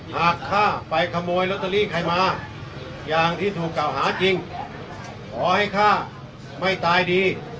ข้าไปขโมยลอตเตอรี่ใครมาอย่างที่ถูกกล่าวหาจริงขอให้ฆ่าไม่ตายดี